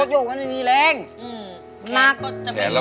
สวัสดีครับ